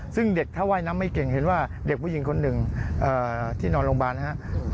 ซึ่งเด็กถ้าว่ายน้ำไม่เก่งเห็นว่าเด็กผู้หญิงคนหนึ่งที่นอนโรงพยาบาลนะครับ